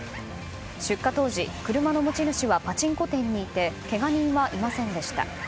出火当時、車の持ち主はパチンコ店にいてけが人はいませんでした。